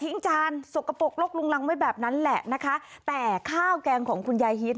จานสกปรกลกลุงรังไว้แบบนั้นแหละนะคะแต่ข้าวแกงของคุณยายฮิต